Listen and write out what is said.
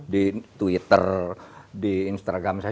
di twitter di instagram saya